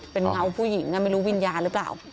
เป็นเงาผู้หญิงไม่รู้วิญญาณหรือเปล่า